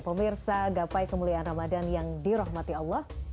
pemirsa gapai kemuliaan ramadan yang dirahmati allah